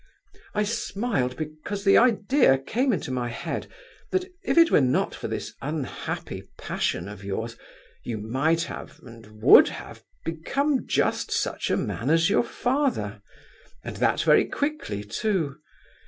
"I smiled because the idea came into my head that if it were not for this unhappy passion of yours you might have, and would have, become just such a man as your father, and that very quickly, too.